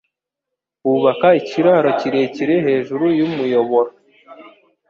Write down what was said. Bubaka ikiraro kirekire hejuru y'umuyoboro.